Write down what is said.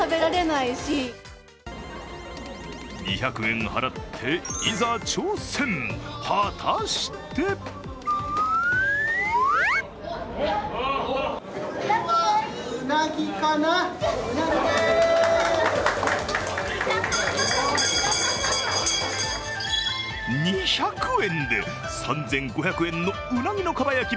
２００円払っていざ挑戦、果たして２００円で３５００円のうなぎのかば焼き